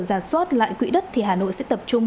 giả soát lại quỹ đất thì hà nội sẽ tập trung